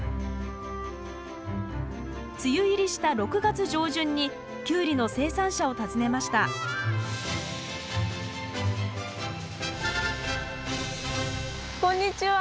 梅雨入りした６月上旬にキュウリの生産者を訪ねましたこんにちは！